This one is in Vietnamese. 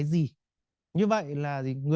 giúp người mua đường thở